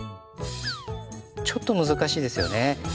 ちょっと難しいですよねぇ。